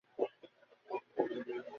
যাইতে যাইতে তাহার মন পুলকে ভরিয়া উঠিতেছিল।